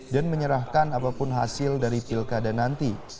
dan menyerahkan apapun hasil dari pilkada nanti